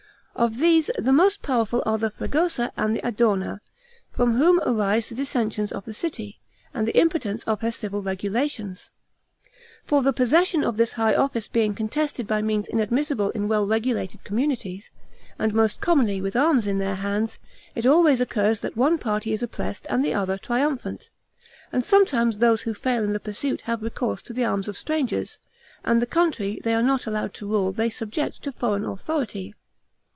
Of these, the most powerful are the Fregosa and the Adorna, from whom arise the dissensions of the city, and the impotence of her civil regulations; for the possession of this high office being contested by means inadmissible in well regulated communities, and most commonly with arms in their hands, it always occurs that one party is oppressed and the other triumphant; and sometimes those who fail in the pursuit have recourse to the arms of strangers, and the country they are not allowed to rule they subject to foreign authority.